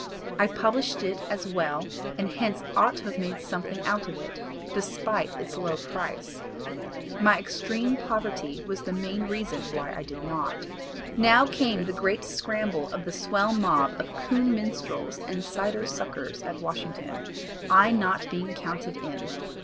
I published it as well and hence ought to have made something out of it despite its low price. My extreme poverty was the main reason why I did not." "Now came the great scramble of the swell mob of coon minstrels and cider suckers at Washington, I not being counted in.